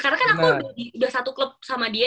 karena kan aku udah satu club sama dia